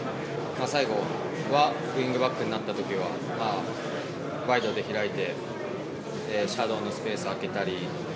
最後はウィングバックになった時はワイドで開いてシャドーのスペース空けたり。